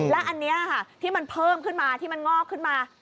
และอันนี้ค่ะที่มันเพิ่มขึ้นมาที่มันงอกขึ้นมา